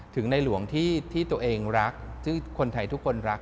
ในหลวงที่ตัวเองรักซึ่งคนไทยทุกคนรัก